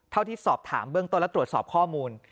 ที่สอบถามเบื้องต้นและตรวจสอบข้อมูล